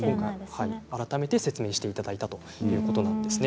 改めて説明していただいたということなんですね。